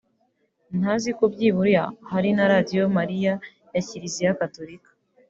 ntazi ko byibura hari na radiyo Mariya ya Kliziya Gatolika